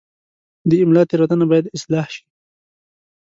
د املا تېروتنه باید اصلاح شي.